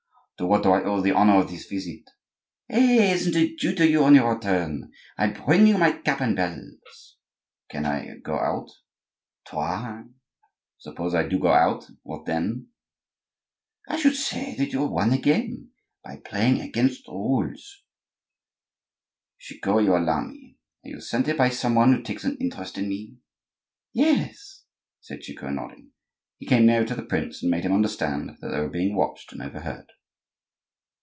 "To what do I owe the honor of this visit?" "Hey! Isn't it due to you on your return? I bring you my cap and bells." "Can I go out?" "Try." "Suppose I do go out, what then?" "I should say that you had won the game by playing against the rules." "Chicot, you alarm me. Are you sent here by some one who takes an interest in me?" "Yes," said Chicot, nodding. He came nearer to the prince, and made him understand that they were being watched and overheard.